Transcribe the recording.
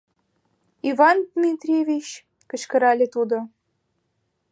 — Иван Дмитриевич! — кычкырале тудо.